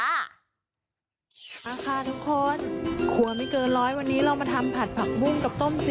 มาค่ะทุกคน